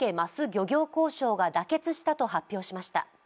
漁業交渉が妥結したと発表しました。